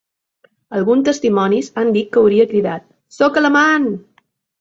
Alguns testimonis han dit que hauria cridat: Sóc alemany.